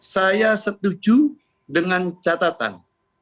saya setuju dengan catatan